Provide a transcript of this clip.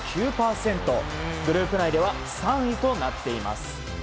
グループ内では３位となっています。